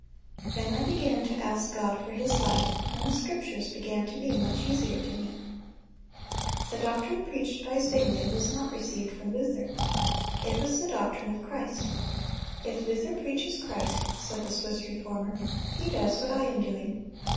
Then I began to ask God for His light, and the Scriptures began to be much easier to me."(244) The doctrine preached by Zwingle was not received from Luther. It was the doctrine of Christ. "If Luther preaches Christ," said the Swiss Reformer, "he does what I am doing.